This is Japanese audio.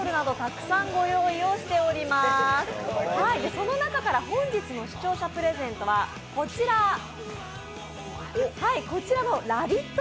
この中から本日の視聴者プレゼントはこちらのＬＯＶＥＩＴ！